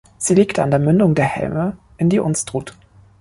Sie liegt an der Mündung der Helme in die Unstrut.